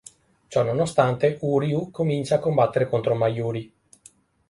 Ciononostante Uryū comincia a combattere contro Mayuri.